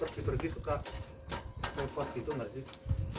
iya ini kalau pergi pergi suka pepat gitu nggak sih